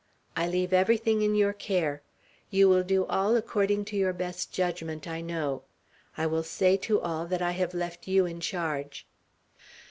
I leave everything in your care. You will do all according to your best judgment, I know. I will say to all that I have left you in charge."